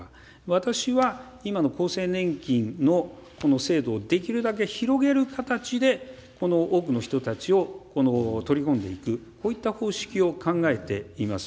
私は、今の厚生年金のこの制度をできるだけ広げる形で、多くの人たちを取り込んでいく、こういった方式を考えています。